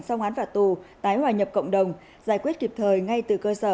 xong án phạt tù tái hòa nhập cộng đồng giải quyết kịp thời ngay từ cơ sở